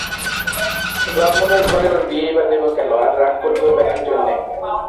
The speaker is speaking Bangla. ব্রাহ্মণের ঘরে ওর বিয়েই বা দেব কেন, আর রাগ করবই বা কী জন্যে?